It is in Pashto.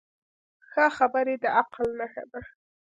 ښه خبرې د عقل نښه ده